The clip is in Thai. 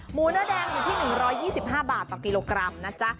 เนื้อแดงอยู่ที่๑๒๕บาทต่อกิโลกรัมนะจ๊ะ